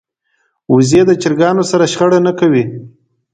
وزې د چرګانو سره شخړه نه کوي